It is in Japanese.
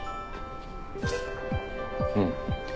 うん。